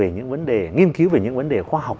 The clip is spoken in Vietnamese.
nghiên cứu về những vấn đề khoa học